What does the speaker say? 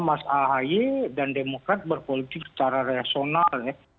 mas ahy dan demokrat berpolisi secara rasional ya